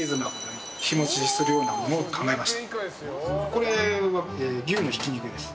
これは牛のひき肉です。